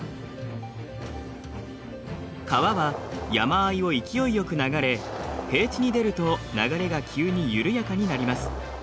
川は山あいを勢いよく流れ平地に出ると流れが急に緩やかになります。